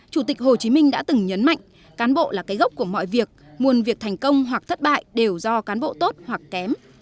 chủ tịch hồ chí minh đã từng nhấn mạnh cán bộ là cái gốc của mọi việc nguồn việc thành công hoặc thất bại đều do cán bộ tốt hoặc kém